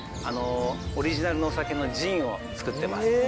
オリジナルのお酒のジンを造ってます。